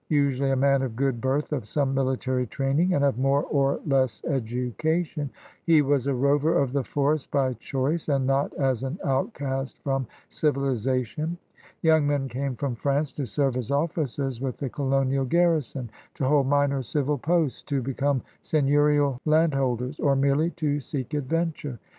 Usually a man of good birth, of some military training, and of more or less education, he was a rover of the forest by choice and not as an outcast from civilization. Young men came from France to serve as officers with the colonial garrison, to hold minor civil posts, to become seigneurial landholders, or merely to seek adventure.